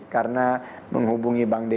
karena menghubungi bank dki